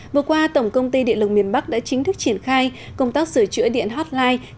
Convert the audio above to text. vừa qua tổng công ty điện lực miền bắc đã chính thức triển khai công tác sửa chữa điện hotline